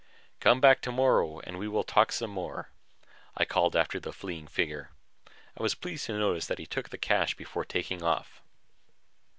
"Come back tomorrow and we will talk some more," I called after the fleeing figure. I was pleased to notice that he took the cash before taking off.